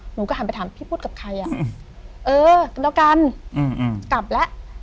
หนูก็หันไปถามพี่พูดกับใครอ่ะเออแล้วกันกลับแล้ว